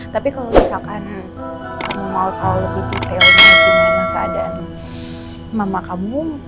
tapi kalau misalkan kamu mau tahu lebih detailnya itu memang keadaan mama kamu